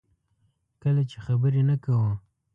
کله چې خبرې نه کوو.